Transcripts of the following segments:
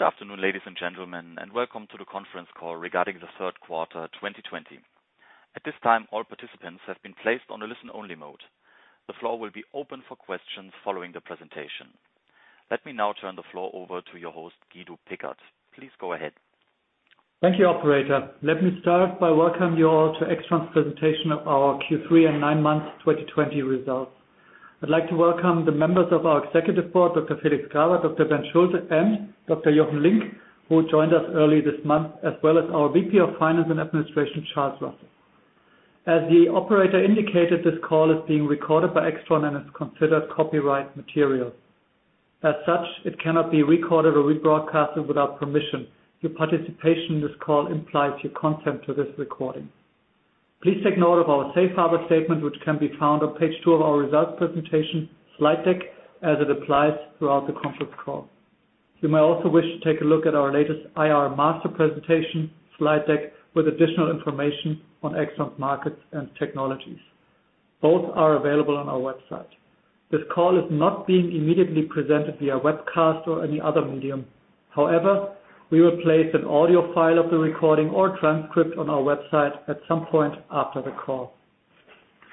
Good afternoon, ladies and gentlemen, welcome to the conference call regarding the third quarter 2020. At this time, all participants have been placed on a listen-only mode. The floor will be open for questions following the presentation. Let me now turn the floor over to your host, Guido Pickert. Please go ahead. Thank you, operator. Let me start by welcoming you all to AIXTRON's presentation of our Q3 and nine-month 2020 results. I'd like to welcome the members of our executive board, Dr. Felix Grawert, Dr. Bernd Schulte, and Dr. Jochen Linck, who joined us early this month, as well as our VP of Finance and Administration, Charles Russell. As the operator indicated, this call is being recorded by AIXTRON and is considered copyright material. As such, it cannot be recorded or rebroadcasted without permission. Your participation in this call implies your consent to this recording. Please take note of our safe harbor statement, which can be found on page two of our results presentation slide deck, as it applies throughout the conference call. You may also wish to take a look at our latest IR master presentation slide deck with additional information on AIXTRON's markets and technologies. Both are available on our website. This call is not being immediately presented via webcast or any other medium. However, we will place an audio file of the recording or transcript on our website at some point after the call.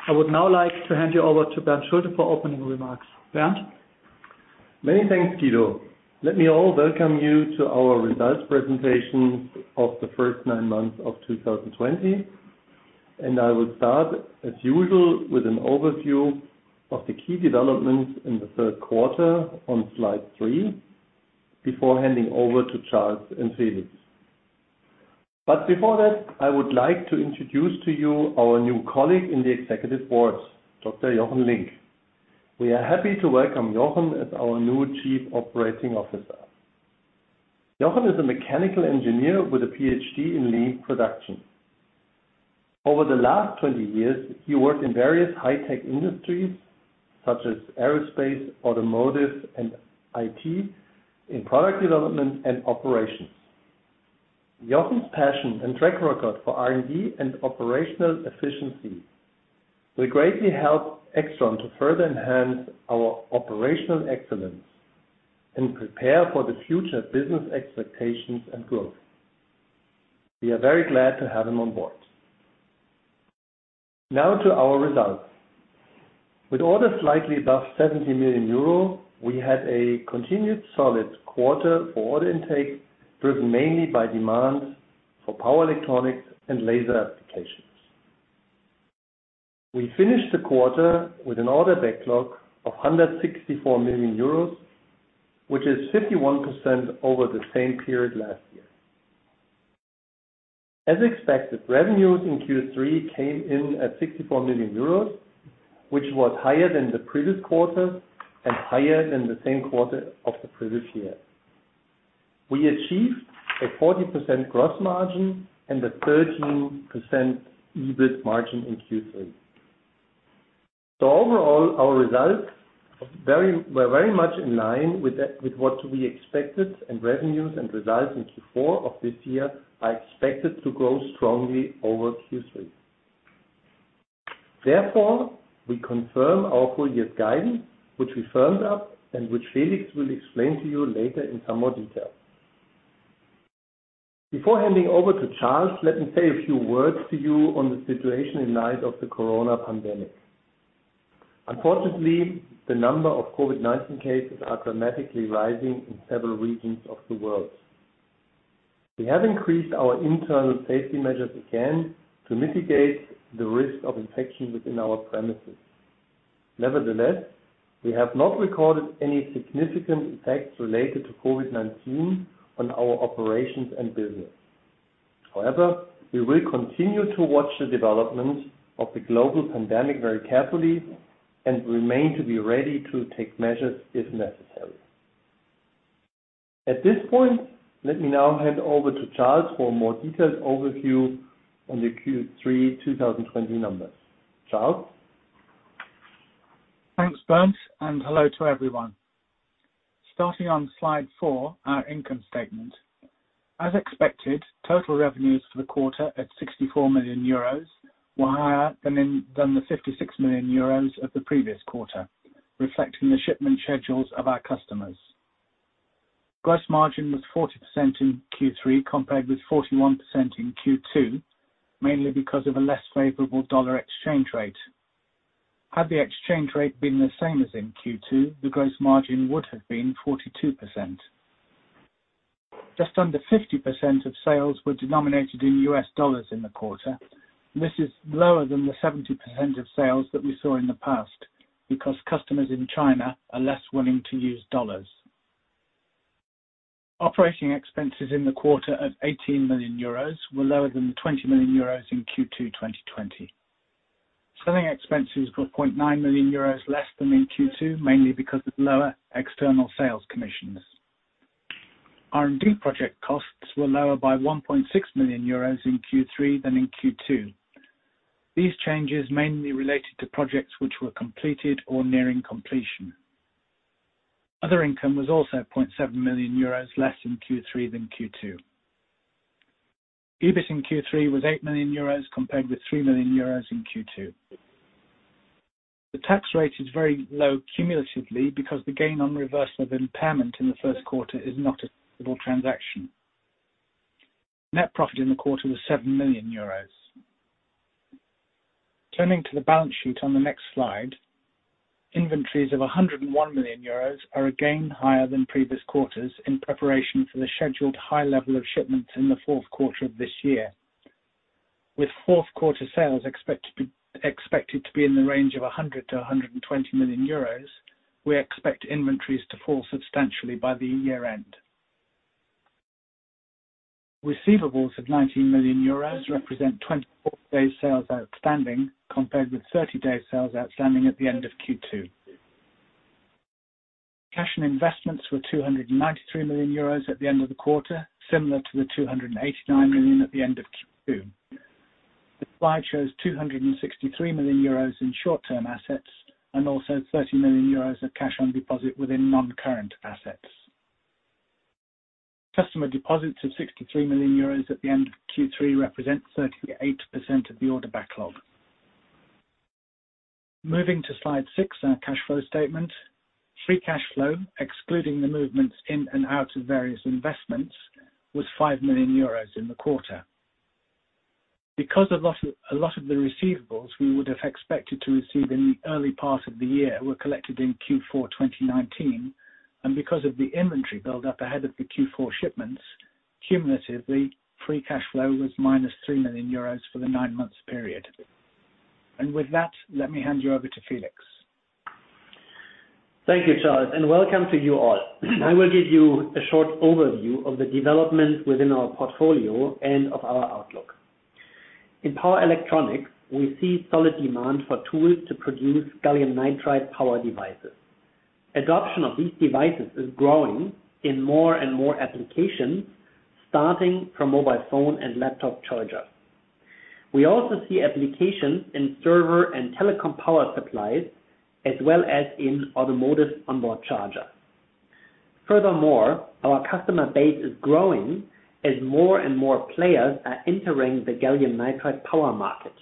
I would now like to hand you over to Bernd Schulte for opening remarks. Bernd? Many thanks, Guido. Let me all welcome you to our results presentation of the first nine months of 2020. I will start, as usual, with an overview of the key developments in the third quarter on slide three before handing over to Charles and Felix. Before that, I would like to introduce to you our new colleague in the executive board, Dr. Jochen Linck. We are happy to welcome Jochen as our new Chief Operating Officer. Jochen is a mechanical engineer with a PhD in lean production. Over the last 20 years, he worked in various high-tech industries such as aerospace, automotive, and IT, in product development and operations. Jochen's passion and track record for R&D and operational efficiency will greatly help AIXTRON to further enhance our operational excellence and prepare for the future business expectations and growth. We are very glad to have him on board. Now to our results. With orders slightly above 70 million euro, we had a continued solid quarter for order intake, driven mainly by demand for power electronics and laser applications. We finished the quarter with an order backlog of 164 million euros, which is 51% over the same period last year. As expected, revenues in Q3 came in at 64 million euros, which was higher than the previous quarter and higher than the same quarter of the previous year. We achieved a 40% gross margin and a 13% EBIT margin in Q3. Overall, our results were very much in line with what we expected. Revenues and results in Q4 of this year are expected to grow strongly over Q3. We confirm our full-year guidance, which we firmed up and which Felix will explain to you later in some more detail. Before handing over to Charles, let me say a few words to you on the situation in light of the coronavirus pandemic. Unfortunately, the number of COVID-19 cases are dramatically rising in several regions of the world. We have increased our internal safety measures again to mitigate the risk of infection within our premises. Nevertheless, we have not recorded any significant effects related to COVID-19 on our operations and business. However, we will continue to watch the developments of the global pandemic very carefully and remain to be ready to take measures if necessary. At this point, let me now hand over to Charles for a more detailed overview on the Q3 2020 numbers. Charles? Thanks, Bernd, and hello to everyone. Starting on slide four, our income statement. As expected, total revenues for the quarter at 64 million euros were higher than the 56 million euros of the previous quarter, reflecting the shipment schedules of our customers. Gross margin was 40% in Q3, compared with 41% in Q2, mainly because of a less favorable dollar exchange rate. Had the exchange rate been the same as in Q2, the gross margin would have been 42%. Just under 50% of sales were denominated in U.S. dollars in the quarter. This is lower than the 70% of sales that we saw in the past because customers in China are less willing to use dollars. Operating expenses in the quarter at 18 million euros were lower than the 20 million euros in Q2 2020. Selling expenses were 0.9 million euros less than in Q2, mainly because of lower external sales commissions. R&D project costs were lower by 1.6 million euros in Q3 than in Q2. These changes mainly related to projects which were completed or nearing completion. Other income was also 0.7 million euros less in Q3 than Q2. EBIT in Q3 was 8 million euros compared with 3 million euros in Q2. The tax rate is very low cumulatively because the gain on reversal of impairment in the first quarter is not a taxable transaction. Net profit in the quarter was 7 million euros. Turning to the balance sheet on the next slide, inventories of 101 million euros are again higher than previous quarters in preparation for the scheduled high level of shipments in the fourth quarter of this year. With fourth quarter sales expected to be in the range of 100 million-120 million euros, we expect inventories to fall substantially by the year-end. Receivables of 19 million euros represent 24-day sales outstanding compared with 30-day sales outstanding at the end of Q2. Cash and investments were 293 million euros at the end of the quarter, similar to the 289 million at the end of Q2. The slide shows 263 million euros in short-term assets and also 30 million euros of cash on deposit within non-current assets. Customer deposits of 63 million euros at the end of Q3 represent 38% of the order backlog. Moving to slide six, our cash flow statement. Free cash flow, excluding the movements in and out of various investments, was 5 million euros in the quarter. Because a lot of the receivables we would have expected to receive in the early part of the year were collected in Q4 2019, and because of the inventory build-up ahead of the Q4 shipments, cumulatively, free cash flow was minus 3 million euros for the nine-month period. With that, let me hand you over to Felix. Thank you, Charles, and welcome to you all. I will give you a short overview of the development within our portfolio and of our outlook. In power electronics, we see solid demand for tools to produce gallium nitride power devices. Adoption of these devices is growing in more and more applications, starting from mobile phone and laptop charger. We also see applications in server and telecom power supplies, as well as in automotive onboard charger. Our customer base is growing as more and more players are entering the gallium nitride power market.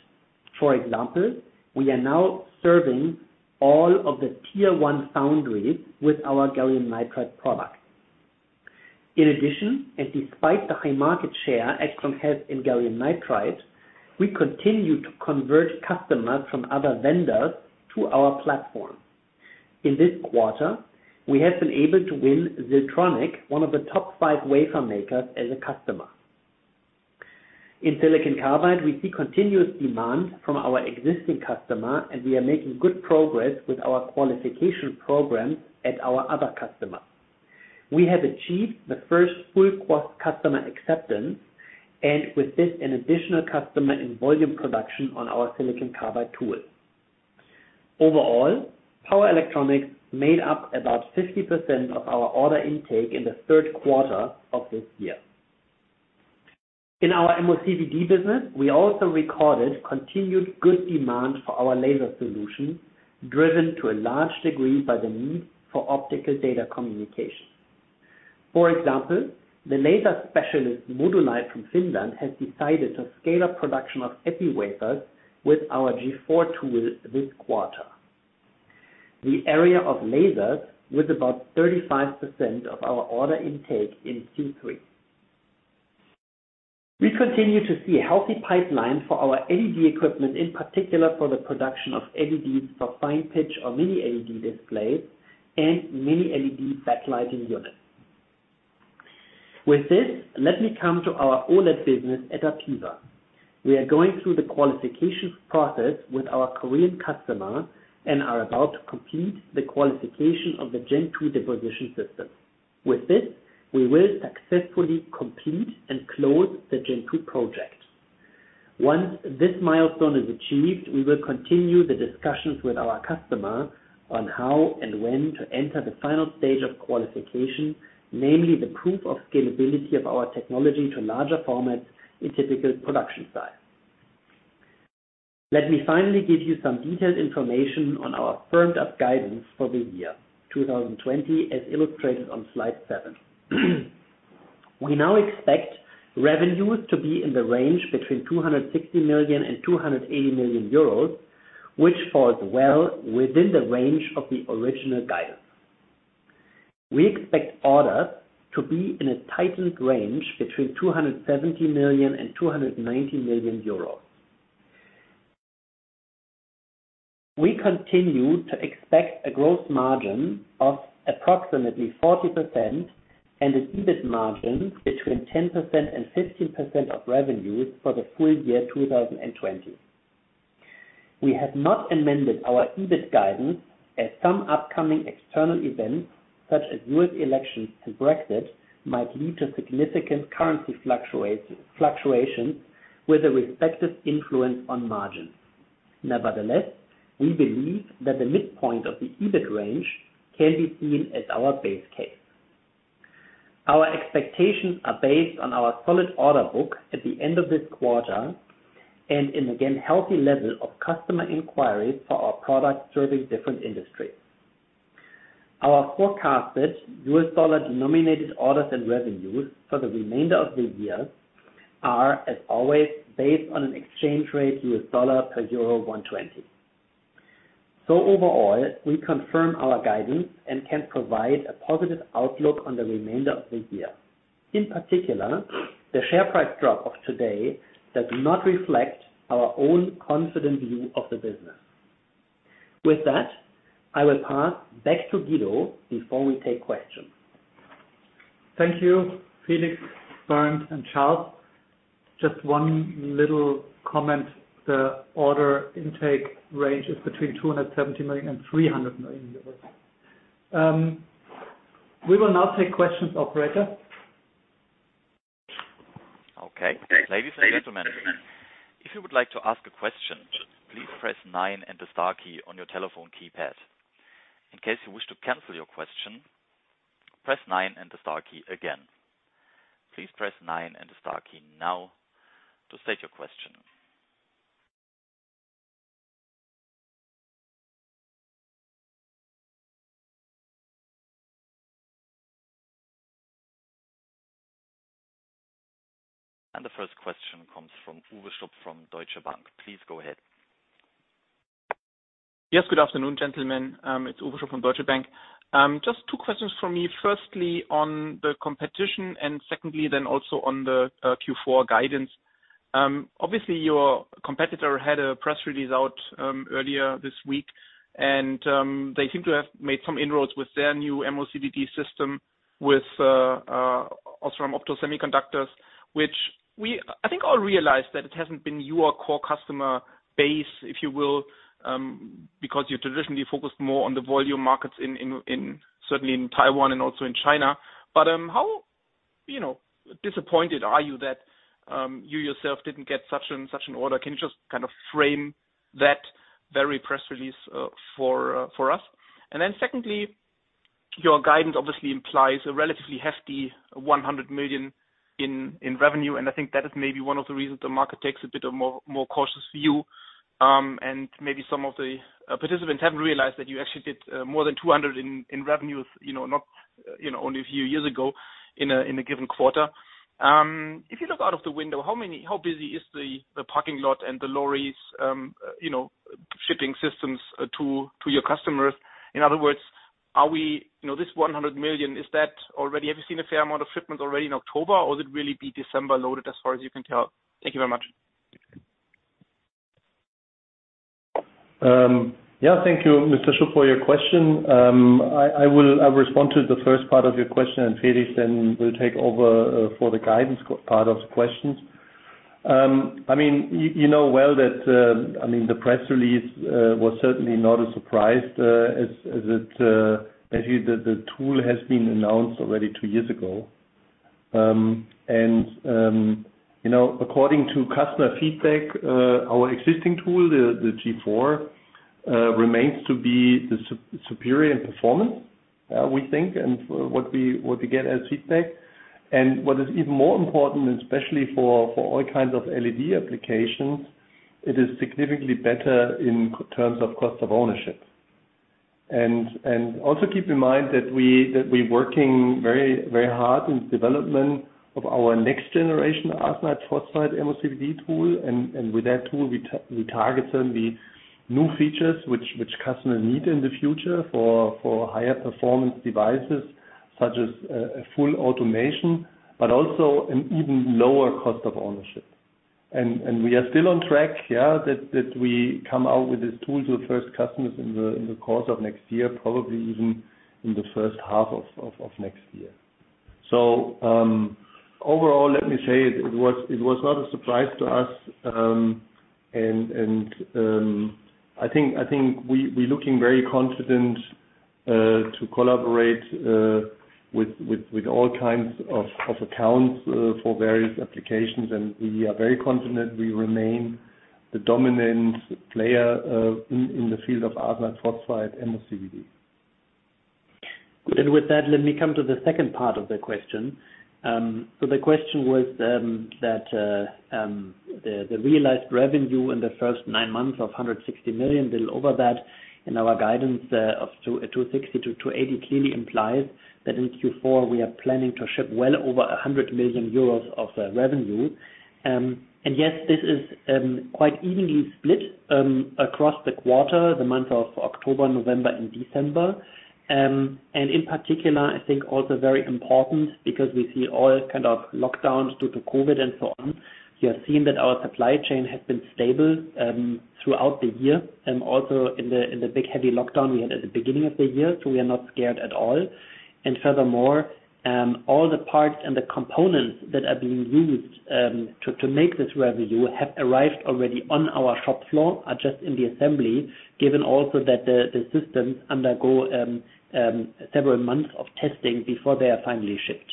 For example, we are now serving all of the tier one foundries with our gallium nitride product. In addition, and despite the high market share AIXTRON has in gallium nitride, we continue to convert customers from other vendors to our platform. In this quarter, we have been able to win Siltronic, one of the top five wafer makers, as a customer. In silicon carbide, we see continuous demand from our existing customer, and we are making good progress with our qualification program at our other customer. We have achieved the first full cost customer acceptance and with this an additional customer in volume production on our silicon carbide tool. Overall, power electronics made up about 50% of our order intake in the third quarter of this year. In our MOCVD business, we also recorded continued good demand for our laser solution, driven to a large degree by the need for optical data communication. For example, the laser specialist, Modulight from Finland, has decided to scale up production of epi wafers with our G4 tool this quarter. The area of lasers was about 35% of our order intake in Q3. We continue to see a healthy pipeline for our LED equipment, in particular for the production of LEDs for fine pitch or mini LED displays and mini LED backlighting units. With this, let me come to our OLED business at APEVA. We are going through the qualification process with our Korean customer and are about to complete the qualification of the Gen 2 deposition system. With this, we will successfully complete and close the Gen 2 project. Once this milestone is achieved, we will continue the discussions with our customer on how and when to enter the final stage of qualification, namely the proof of scalability of our technology to larger formats in typical production size. Let me finally give you some detailed information on our firmed up guidance for the year 2020, as illustrated on slide seven. We now expect revenues to be in the range between 260 million and 280 million euros, which falls well within the range of the original guidance. We expect orders to be in a tightened range between 270 million and 290 million euros. We continue to expect a gross margin of approximately 40% and an EBIT margin between 10% and 15% of revenues for the full year 2020. We have not amended our EBIT guidance as some upcoming external events, such as U.S. elections and Brexit, might lead to significant currency fluctuations with a respective influence on margins. Nevertheless, we believe that the midpoint of the EBIT range can be seen as our base case. Our expectations are based on our solid order book at the end of this quarter and, again, a healthy level of customer inquiries for our products serving different industries. Our forecasted U.S. dollar denominated orders and revenues for the remainder of the year are, as always, based on an exchange rate U.S. dollar per euro 1.20. Overall, we confirm our guidance and can provide a positive outlook on the remainder of the year. In particular, the share price drop of today does not reflect our own confident view of the business. With that, I will pass back to Guido before we take questions. Thank you, Felix, Bernd, and Charles. Just one little comment. The order intake range is between 270 million and 300 million euros. We will now take questions, operator. Okay. Ladies and gentlemen, if you would like to ask a question, please press nine and the star key on your telephone keypad. In case you wish to cancel your question, press nine and the star key again. Please press nine and the star key now to state your question. The first question comes from Uwe Schupp from Deutsche Bank. Please go ahead. Yes. Good afternoon, gentlemen. It's Uwe Schupp from Deutsche Bank. Just two questions from me. On the competition, and secondly then also on the Q4 guidance. Your competitor had a press release out earlier this week, and they seem to have made some inroads with their new MOCVD system with OSRAM Opto Semiconductors, which I think all realize that it hasn't been your core customer base, if you will because you traditionally focused more on the volume markets certainly in Taiwan and also in China. How disappointed are you that you yourself didn't get such an order? Can you just kind of frame that very press release for us? Secondly, your guidance obviously implies a relatively hefty 100 million in revenue, and I think that is maybe one of the reasons the market takes a bit of more cautious view. Maybe some of the participants haven't realized that you actually did more than 200 in revenues, only a few years ago in a given quarter. If you look out of the window, how busy is the parking lot and the lorries shipping systems to your customers? In other words, this 100 million, have you seen a fair amount of shipments already in October, or would it really be December loaded as far as you can tell? Thank you very much. Yeah, thank you, Mr. Schupp, for your question. I will respond to the first part of your question, Felix then will take over for the guidance part of the questions. You know well that the press release was certainly not a surprise, as the tool has been announced already two years ago. According to customer feedback, our existing tool, the G4, remains to be the superior in performance, we think, and what we get as feedback. What is even more important, especially for all kinds of LED applications, it is significantly better in terms of cost of ownership. Also keep in mind that we're working very hard in development of our next generation arsenide phosphide MOCVD tool. With that tool, we target certainly new features which customers need in the future for higher performance devices, such as full automation, but also an even lower cost of ownership. We are still on track, yeah, that we come out with this tool to the first customers in the course of next year, probably even in the first half of next year. Overall, let me say it was not a surprise to us. I think we looking very confident to collaborate with all kinds of accounts for various applications, and we are very confident we remain the dominant player in the field of arsenide phosphide MOCVD. With that, let me come to the second part of the question. The question was that the realized revenue in the first nine months of 160 million, a little over that, and our guidance of 260-280 clearly implies that in Q4, we are planning to ship well over 100 million euros of revenue. Yes, this is quite evenly split across the quarter, the month of October, November, and December. In particular, I think also very important because we see all kind of lockdowns due to COVID and so on. We have seen that our supply chain has been stable throughout the year, and also in the big heavy lockdown we had at the beginning of the year, so we are not scared at all. Furthermore, all the parts and the components that are being used to make this revenue have arrived already on our shop floor, are just in the assembly, given also that the systems undergo several months of testing before they are finally shipped.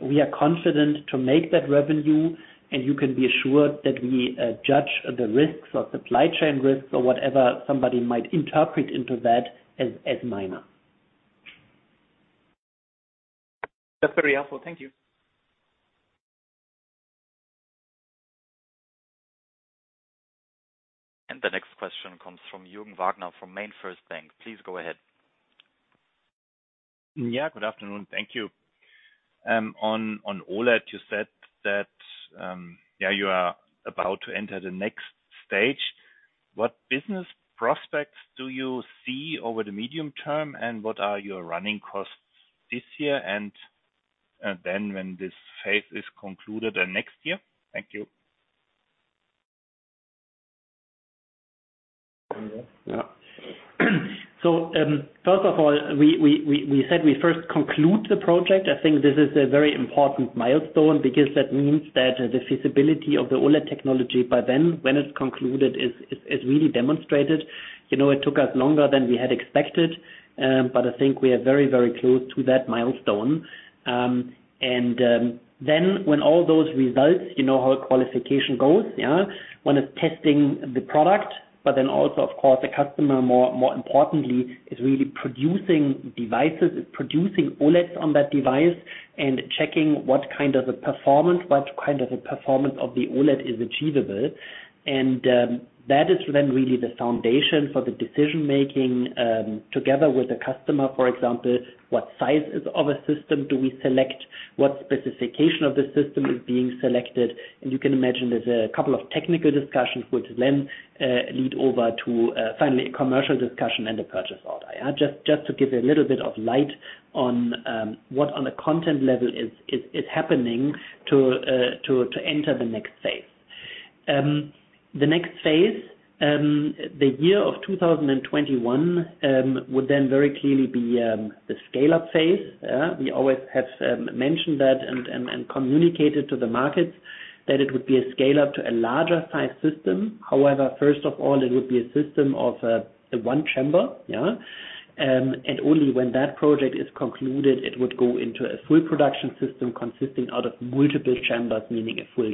We are confident to make that revenue, and you can be assured that we judge the risks or supply chain risks or whatever somebody might interpret into that as minor. That's very helpful. Thank you. The next question comes from Jürgen Wagner from MainFirst Bank. Please go ahead. Yeah, good afternoon. Thank you. On OLED, you said that you are about to enter the next stage. What business prospects do you see over the medium term, and what are your running costs this year, and then when this phase is concluded, and next year? Thank you. First of all, we said we first conclude the project. I think this is a very important milestone because that means that the feasibility of the OLED technology by then, when it's concluded, is really demonstrated. It took us longer than we had expected, but I think we are very, very close to that milestone. When all those results, you know how a qualification goes. Yeah? One is testing the product, but then also, of course, the customer, more importantly, is really producing devices, is producing OLEDs on that device and checking what kind of a performance of the OLED is achievable. That is then really the foundation for the decision-making, together with the customer, for example, what sizes of a system do we select? What specification of the system is being selected? You can imagine there's a couple of technical discussions which then lead over to finally a commercial discussion and a purchase order. Just to give you a little bit of light on what on the content level is happening to enter the next phase. The next phase, the year of 2021, would then very clearly be the scale-up phase. We always have mentioned that and communicated to the markets that it would be a scale-up to a larger size system. However, first of all, it would be a system of one chamber. Yeah. Only when that project is concluded, it would go into a full production system consisting out of multiple chambers, meaning a full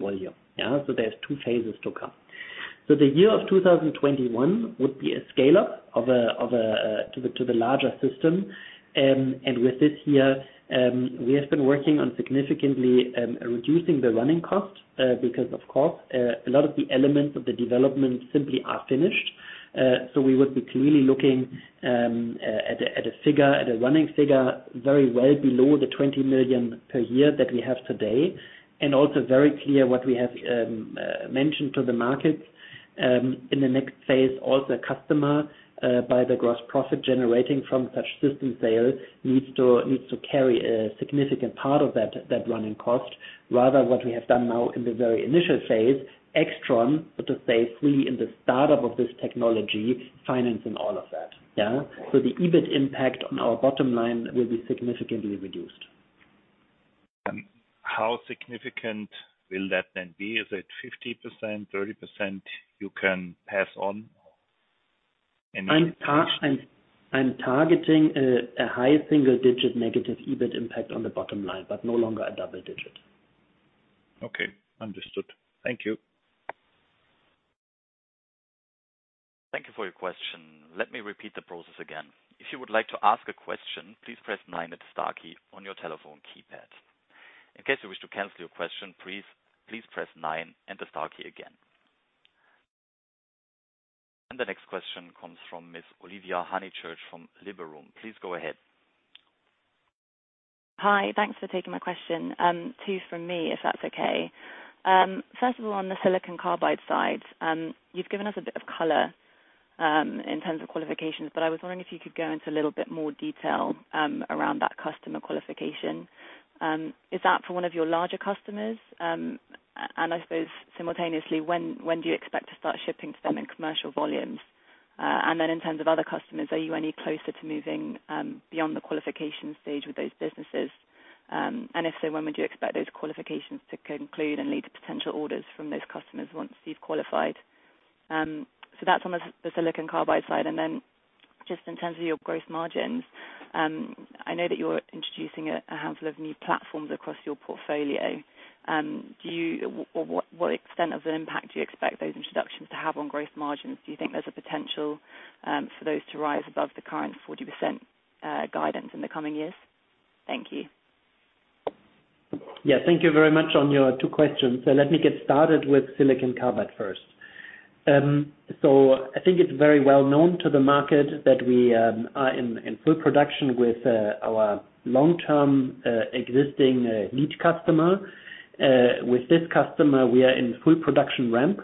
volume. There's two phases to come. The year of 2021 would be a scale-up to the larger system. With this here, we have been working on significantly reducing the running cost, because of course, a lot of the elements of the development simply are finished. We would be clearly looking at a running figure very well below the 20 million per year that we have today, and also very clear what we have mentioned to the markets, in the next phase, also customer, by the gross profit generating from such system sale, needs to carry a significant part of that running cost, rather what we have done now in the very initial phase, AIXTRON, so to say, free in the startup of this technology, financing all of that. Yeah? The EBIT impact on our bottom line will be significantly reduced. How significant will that then be? Is it 50%, 30% you can pass on? I'm targeting a high single-digit negative EBIT impact on the bottom line, but no longer a double digit. Okay, understood. Thank you. The next question comes from Ms. Olivia Honychurch from Liberum. Please go ahead. Hi. Thanks for taking my question. Two from me, if that's okay. First of all, on the silicon carbide side, you've given us a bit of color, in terms of qualifications, but I was wondering if you could go into a little bit more detail around that customer qualification. Is that for one of your larger customers? I suppose simultaneously, when do you expect to start shipping to them in commercial volumes? In terms of other customers, are you any closer to moving beyond the qualification stage with those businesses? And if so, when would you expect those qualifications to conclude and lead to potential orders from those customers once you've qualified? That's on the silicon carbide side. Just in terms of your gross margins, I know that you're introducing a handful of new platforms across your portfolio. What extent of an impact do you expect those introductions to have on growth margins? Do you think there is a potential for those to rise above the current 40% guidance in the coming years? Thank you. Yeah. Thank you very much on your two questions. Let me get started with silicon carbide first. I think it's very well known to the market that we are in full production with our long-term existing lead customer. With this customer, we are in full production ramp.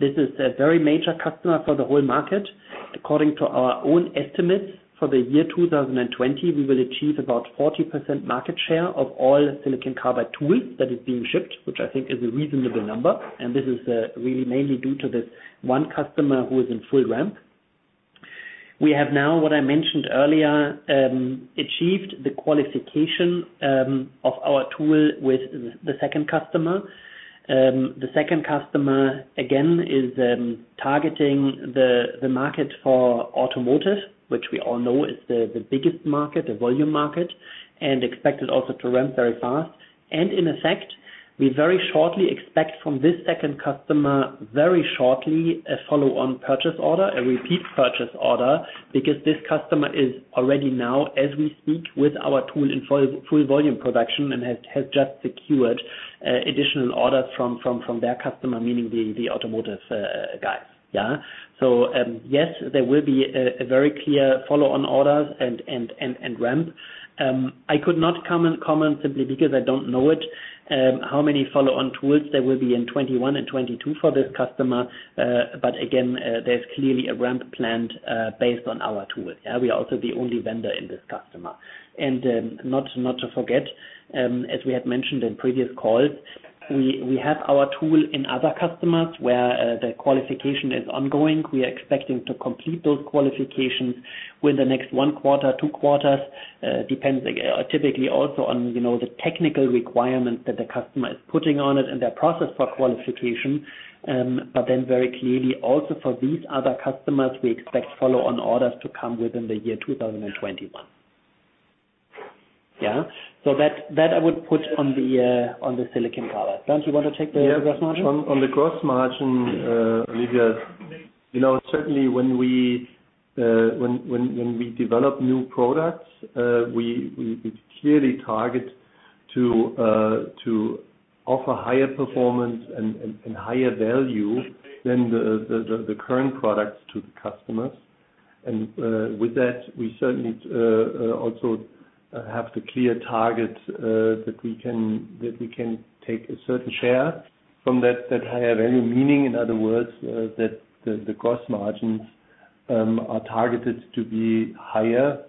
This is a very major customer for the whole market. According to our own estimates, for the year 2020, we will achieve about 40% market share of all silicon carbide tools that are being shipped, which I think is a reasonable number. This is really mainly due to this one customer who is in full ramp. We have now, what I mentioned earlier, achieved the qualification of our tool with the second customer. The second customer, again, is targeting the market for automotive, which we all know is the biggest market, the volume market, and expected also to ramp very fast. In effect, we very shortly expect from this second customer, very shortly, a follow-on purchase order, a repeat purchase order, because this customer is already now, as we speak, with our tool in full volume production and has just secured additional orders from their customer, meaning the automotive guys. Yes, there will be a very clear follow-on orders and ramp. I could not comment, simply because I don't know it, how many follow-on tools there will be in 2021 and 2022 for this customer. Again, there's clearly a ramp planned based on our tool. We are also the only vendor in this customer. Not to forget, as we had mentioned in previous calls, we have our tool in other customers where the qualification is ongoing. We are expecting to complete those qualifications within the next one quarter, two quarters, depends typically also on the technical requirements that the customer is putting on it and their process for qualification. Very clearly, also for these other customers, we expect follow-on orders to come within the year 2021. That I would put on the silicon power. Bernd, you want to take the gross margin? Yes. On the gross margin, Olivia, certainly when we develop new products, we clearly target to offer higher performance and higher value than the current products to the customers. With that, we certainly also have the clear target that we can take a certain share from that higher value meaning, in other words, that the gross margins are targeted to be higher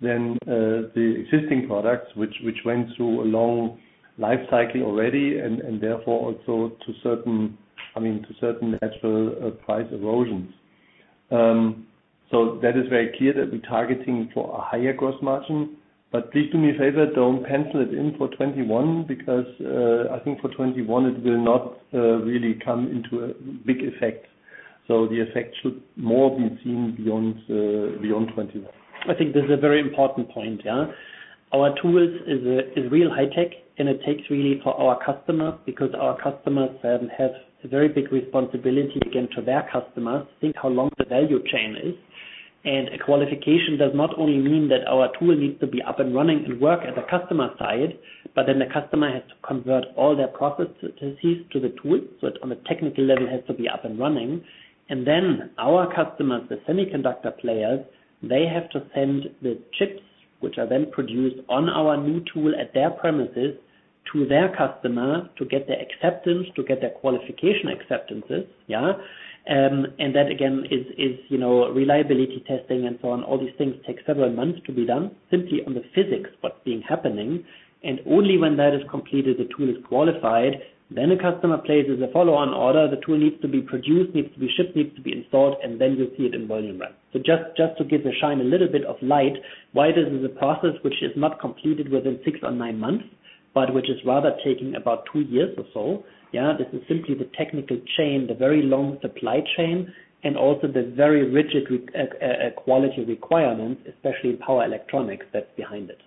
than the existing products, which went through a long life cycle already, and therefore also to certain natural price erosions. That is very clear that we're targeting for a higher gross margin. Please do me a favor, don't pencil it in for 2021 because I think for 2021 it will not really come into a big effect. The effect should more be seen beyond 2021. I think this is a very important point. Our tools is real high tech, and it takes really for our customers, because our customers then have a very big responsibility again to their customers. Think how long the value chain is. A qualification does not only mean that our tool needs to be up and running and work at the customer side, but then the customer has to convert all their processes to the tool, so it on a technical level has to be up and running. Then our customers, the semiconductor players, they have to send the chips, which are then produced on our new tool at their premises, to their customer to get their acceptance, to get their qualification acceptances. That again, is reliability testing and so on. All these things take several months to be done simply on the physics, what's being happening. Only when that is completed, the tool is qualified, then the customer places a follow-on order. The tool needs to be produced, needs to be shipped, needs to be installed, and then you see it in volume ramp. Just to shed a little bit of light, why this is a process which is not completed within six or nine months, but which is rather taking about two years or so. This is simply the technical chain, the very long supply chain, and also the very rigid quality requirements, especially in power electronics that's behind it.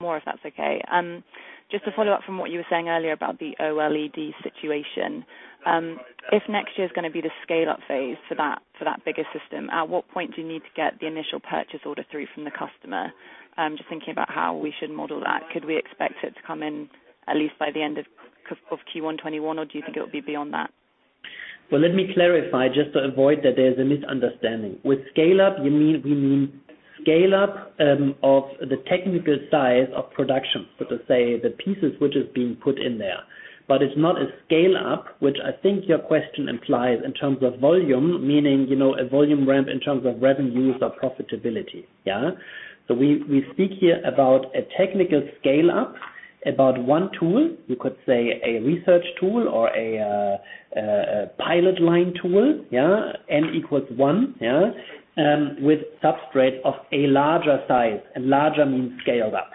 More, if that's okay. Just to follow up from what you were saying earlier about the OLED situation. If next year is going to be the scale-up phase for that bigger system, at what point do you need to get the initial purchase order through from the customer? I'm just thinking about how we should model that. Could we expect it to come in at least by the end of Q1 2021, or do you think it will be beyond that? Let me clarify, just to avoid that there's a misunderstanding. With scale up, we mean scale up of the technical size of production. To say the pieces which is being put in there. It's not a scale up, which I think your question implies in terms of volume, meaning, a volume ramp in terms of revenues or profitability. We speak here about a technical scale-up, about one tool, you could say a research tool or a pilot line tool. N equals one. With substrate of a larger size, and larger means scaled up.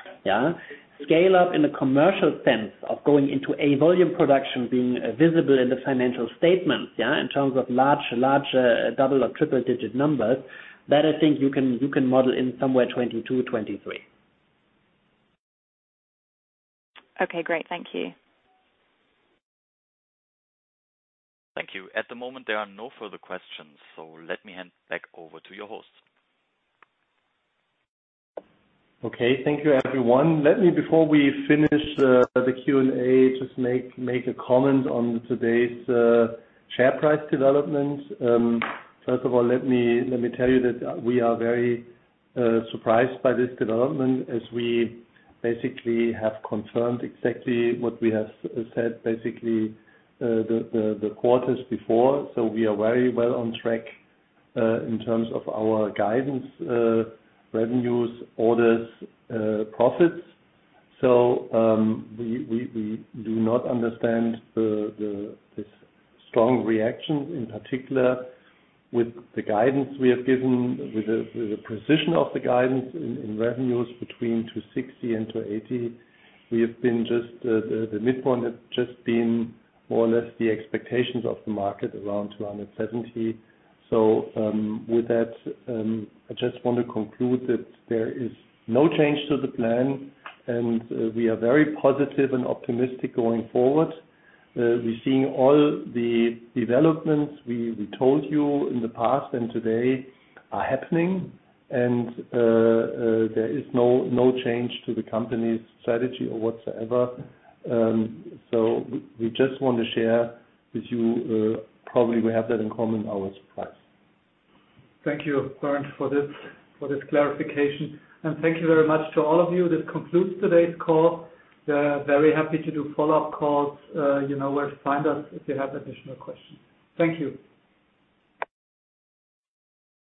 Scale up in a commercial sense of going into a volume production being visible in the financial statements, in terms of large double or triple-digit numbers, that I think you can model in somewhere 2022, 2023. Okay, great. Thank you. Thank you. At the moment, there are no further questions, let me hand back over to your host. Okay, thank you everyone. Let me, before we finish the Q&A, just make a comment on today's share price development. First of all, let me tell you that we are very surprised by this development as we basically have confirmed exactly what we have said, basically, the quarters before. We are very well on track, in terms of our guidance, revenues, orders, profits. We do not understand this strong reaction, in particular with the guidance we have given, with the precision of the guidance in revenues between 260 and 280. The midpoint has just been more or less the expectations of the market around 270. With that, I just want to conclude that there is no change to the plan, and we are very positive and optimistic going forward. We're seeing all the developments we told you in the past and today are happening. There is no change to the company's strategy or whatsoever. We just want to share with you, probably we have that in common, our surprise. Thank you, Bernd, for this clarification. Thank you very much to all of you. This concludes today's call. Very happy to do follow-up calls. You know where to find us if you have additional questions. Thank you.